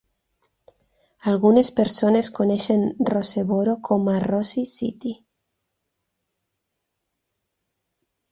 Algunes persones coneixen Roseboro com a Rosie City.